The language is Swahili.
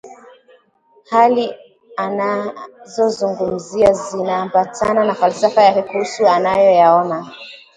Hali anazozungumzia zinaambatana na falsafa yake kuhusu anayoyaona